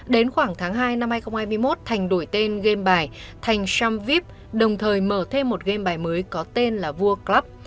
đến khoảng tháng hai năm hai nghìn hai mươi một thành đổi tên game bài thành sumvip đồng thời mở thêm một game bài mới có tên là vua club